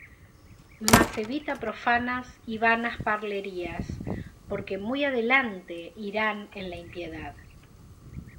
Mas evita profanas y vanas parlerías; porque muy adelante irán en la impiedad.